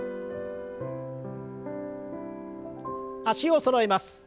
脚をそろえます。